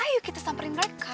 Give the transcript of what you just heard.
ayo kita samperin mereka